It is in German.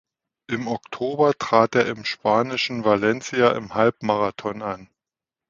Im Oktober trat er im spanischen Valencia im Halbmarathon an.